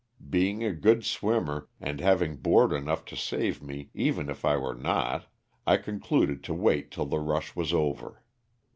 Being a good swimmer, and having board enough to save me, even if I were not, I concluded to wait till the rush was over.